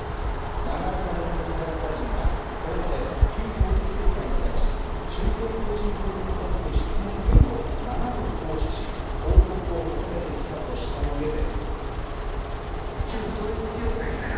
永岡文部科学大臣は、これまで旧統一教会に対し、宗教法人法に基づく質問権を７度行使し、報告を求めてきたとしたうえで。